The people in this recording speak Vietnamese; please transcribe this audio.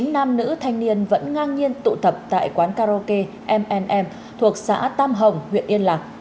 chín nam nữ thanh niên vẫn ngang nhiên tụ tập tại quán karaoke mnm thuộc xã tam hồng huyện yên lạc